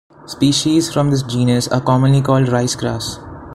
Species from this genus are commonly called ricegrass.